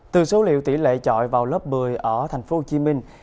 từ số liệu tỷ lệ trọi vào lớp một mươi ở tp hcm